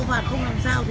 cô hãy coi cho cháu hỏi